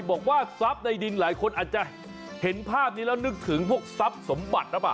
บอกว่าทรัพย์ในดินหลายคนอาจจะเห็นภาพนี้แล้วนึกถึงพวกทรัพย์สมบัติหรือเปล่า